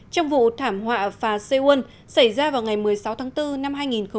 trong vụ thảm họa phà seoul xảy ra vào ngày một mươi sáu tháng bốn năm hai nghìn một mươi chín